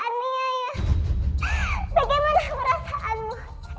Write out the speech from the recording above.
saya tidak merasa salah saya tidak mau menulis fitnah seperti itu